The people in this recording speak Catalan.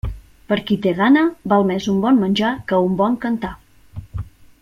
Per qui té gana, val més un bon menjar que un bon cantar.